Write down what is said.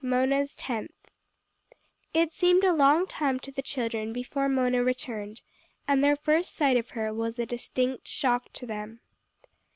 XIII MONA'S TENTH It seemed a long time to the children before Mona returned, and their first sight of her was a distinct shock to them.